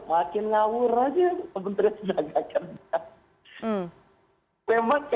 makin ngawur aja pembentrenya